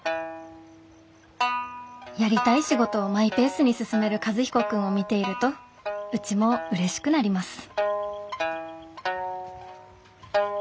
「やりたい仕事をマイペースに進める和彦君を見ているとうちもうれしくなります」。